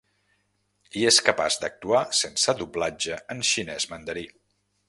I és capaç d'actuar sense doblatge en xinès mandarí.